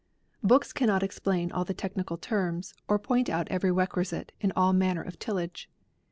Books cannot explain all the technical terms, or point out every requisite in the manner of tillage.